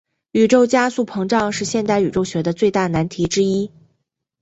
宇宙加速膨胀是现代宇宙学的最大难题之一。